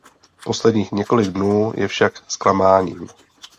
Posledních několik dnů je však zklamáním.